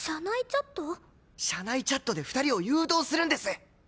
社内チャットで２人を誘導するんです！